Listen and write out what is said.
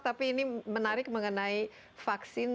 tapi ini menarik mengenai vaksin